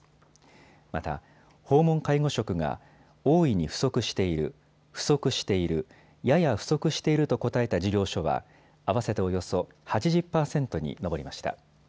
また、訪問介護職が大いに不足している、不足している、やや不足していると答えた事業所は合わせておよそ８０％に上りました。